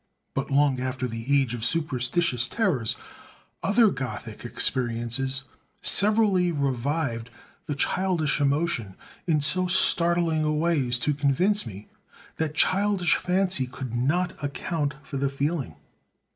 But long after the age of superstitious terrors, other Gothic experiences severally revived the childish emotion in so startling a way as to convince me that childish fancy could not account for the feeling.